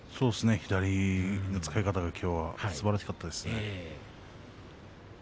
左の使い方がきょうはすばらしかったです。